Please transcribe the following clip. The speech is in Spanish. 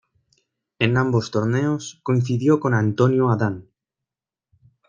En ambos torneos coincidió con Antonio Adán.